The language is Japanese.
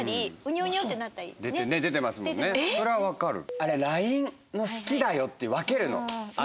あれＬＩＮＥの「好きだよ」って分けるの。